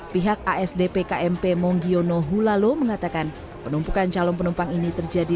pihak asdp kmp monggiono hulalo mengatakan penumpukan calon penumpang ini terjadi